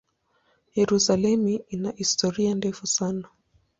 Yerusalemu ina historia ndefu sana.